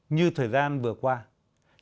như thời gian vừa qua trong khi cảnh sát